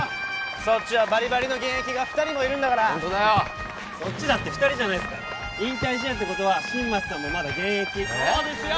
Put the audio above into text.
そっちはバリバリの現役が２人もいるんだからそっちだって２人じゃないすか引退試合ってことは新町さんもまだ現役そうですよ